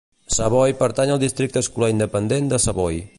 Savoy pertany al districte escolar independent de Savoy.